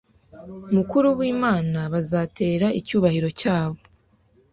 mukuru wImana Bazatera icyubahiro cyabo